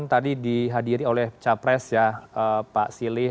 tadi dihadiri oleh capres ya pak silih